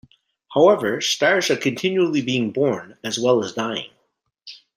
However, stars are continually being born as well as dying.